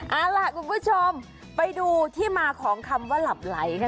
เอาล่ะคุณผู้ชมไปดูที่มาของคำว่าหลับไหลกัน